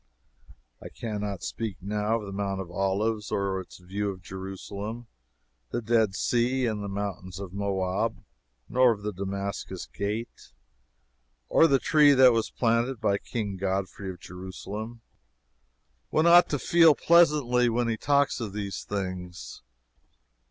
I can not speak now of the Mount of Olives or its view of Jerusalem, the Dead Sea and the mountains of Moab; nor of the Damascus Gate or the tree that was planted by King Godfrey of Jerusalem. One ought to feel pleasantly when he talks of these things.